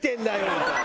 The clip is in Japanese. みたいな。